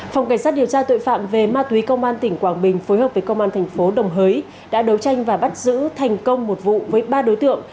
phòng cảnh sát điều tra tội phạm về ma túy công an tỉnh quảng bình phối hợp với công an thành phố đồng hới đã đấu tranh và bắt giữ thành công một vụ với ba đối tượng